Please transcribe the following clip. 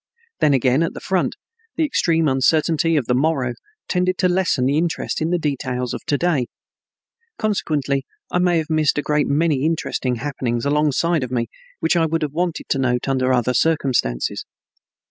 Then again, at the front, the extreme uncertainty of the morrow tended to lessen the interest in the details of to day; consequently I may have missed a great many interesting happenings alongside of me which I would have wanted to note under other circumstances.